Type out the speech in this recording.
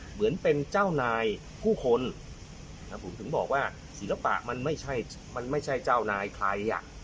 เหมือนเป็นเจ้านายผู้คนผมถึงบอกว่าศิลปะมันไม่ใช่มันไม่ใช่เจ้านายใคร